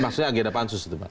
maksudnya agenda pansus itu pak